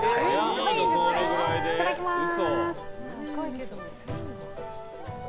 いただきます。